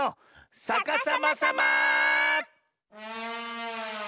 さかさまさま！